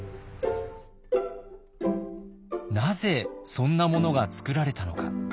なぜそんなものが作られたのか。